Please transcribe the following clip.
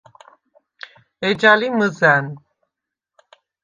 ეჯა ლი მჷზა̈ნ.